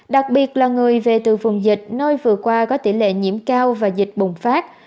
đặc biệt là người về từ vùng dịch nơi vừa qua có tỷ lệ nhiễm cao và dịch bùng phát